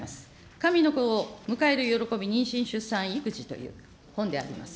神の子を迎える喜び、妊娠、出産、育児という本であります。